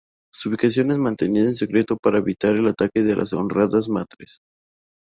Su ubicación es mantenida en secreto para evitar el ataque de las Honoradas Matres.